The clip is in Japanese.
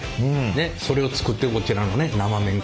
ねっそれを作ってるこちらのね生麺工場。